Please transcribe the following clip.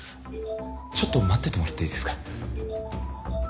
ちょっと待っててもらっていいですか？